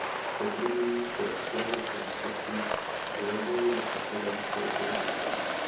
Potvrzují to ekonomické výpočty Bruegelu a Kodaňské univerzity.